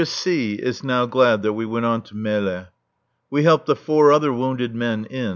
C is now glad that we went on to Melle. We helped the four other wounded men in.